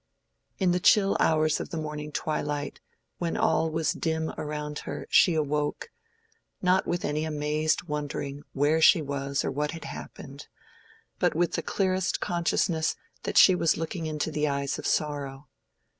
In the chill hours of the morning twilight, when all was dim around her, she awoke—not with any amazed wondering where she was or what had happened, but with the clearest consciousness that she was looking into the eyes of sorrow.